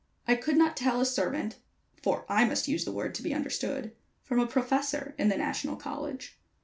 I could not tell a servant for I must use the word to be understood from a professor in the National College.